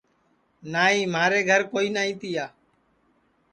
نائی مھارے گھر کوئی نائی تیا